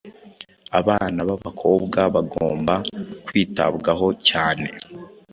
Abana b’abakobwa bagomba kwitabwaho cyane